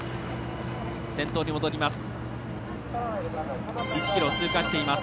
先頭に戻ります。